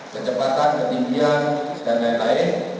kecepatan ketinggian dan lain lain